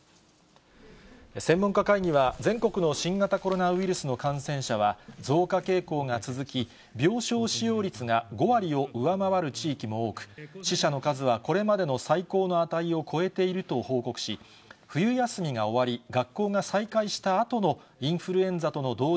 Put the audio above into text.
専門家会議は、全国の新型コロナウイルスの感染者は、増加傾向が続き、病床使用率が５割を上回る地域も多く、死者の数はこれまでの最高の値を超えていると報告し、冬休みが終わり、学校が再開したあとのインフルエンザとの同時